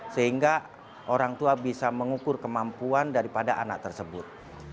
sehingga orang tua bisa mengukur kemampuan daripada anak tersebut